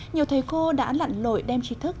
nhiều thầy cô đã lặn lội đem trí thức